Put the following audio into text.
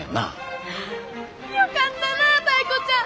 よかったなタイ子ちゃん！